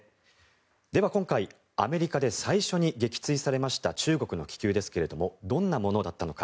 では今回、アメリカで最初に撃墜されました中国の気球ですがどんなものだったのか。